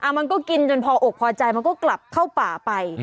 มันก็กินจนพออกพอใจมันก็กลับเข้าป่าไป